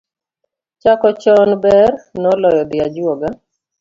Chako Chon ber, noloyo dhi ajuoga